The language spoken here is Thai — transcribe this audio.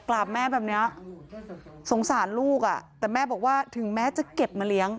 กราบแม่แบบนี้สงสารลูกอ่ะแต่แม่บอกว่าถึงแม้จะเก็บมาเลี้ยง